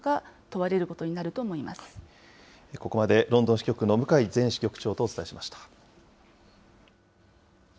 問ここまで、ロンドン支局の向井前支局長とお伝えしました。